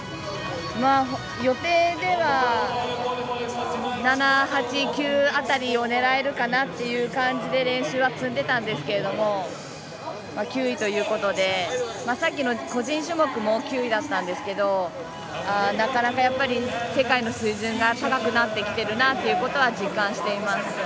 予定では７、８、９辺りを狙えるかなという感じで練習は積んでたんですけど９位ということでさっきの個人種目も９位だったんですけどなかなか、やっぱり世界の水準が高くなってきているなというのは実感しています。